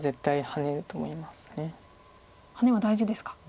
ハネは大事ですか。